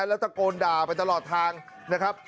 แล้วตะโกนด่าไปตลอดทางนะครับ